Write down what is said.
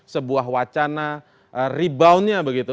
sebuah wacana reboundnya